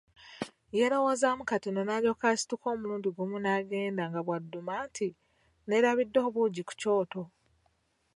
Yeelowoozaamu katono n’alyoka asituka omulundi gumu n’agenda nga bw’adduma nti, “Neerabidde obuugi ku kyoto!